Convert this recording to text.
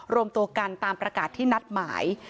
รวมตัวกันตามประกาศที่นัดหมาย